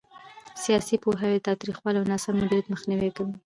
سیاسي پوهاوی د تاوتریخوالي او ناسم مدیریت مخنیوي کوي